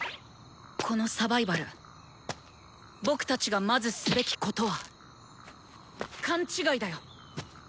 このサバイバル僕たちがまずすべきことは勘違いだよ。